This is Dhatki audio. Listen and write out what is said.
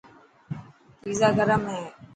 پيزا گرمي هي.